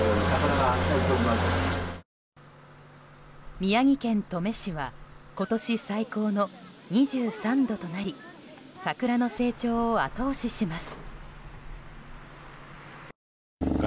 宮城県登米市は今年最高の２３度となり桜の成長を後押しします。